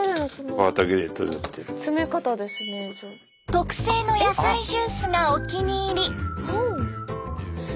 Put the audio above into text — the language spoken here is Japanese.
特製の野菜ジュースがお気に入り。